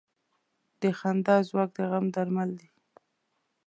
د خندا ځواک د غم درمل دی.